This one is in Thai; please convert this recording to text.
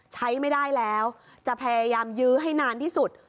ใช้ไม่ได้แล้วจะพยายามยื้อให้นานที่สุด